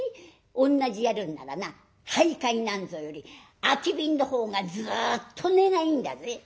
同じやるんならな灰買なんぞより空き瓶のほうがずっと値がいいんだぜ。